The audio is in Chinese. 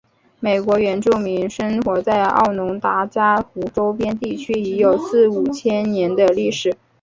美国原住民生活在奥农达伽湖周边地区已有四五千年的历史。